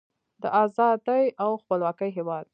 د ازادۍ او خپلواکۍ هیواد.